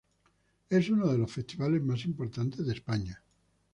Es uno de los festivales más importantes de España.